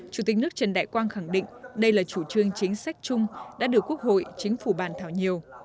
chủ tịch nước trần đại quang khẳng định đây là chủ trương chính sách chung đã được quốc hội chính phủ bàn thảo nhiều